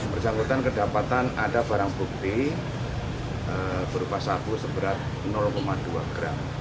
bersangkutan kedapatan ada barang bukti berupa sabu seberat dua gram